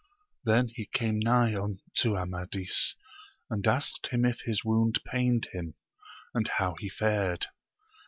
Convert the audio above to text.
He then came nigh to Amadis, and asked him if his wound pained him, and how he fared.